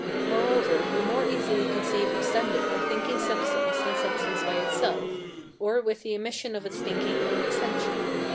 Moreover, we more easily conceive extended or thinking substance than substance by itself, or with the omission of its thinking or extension.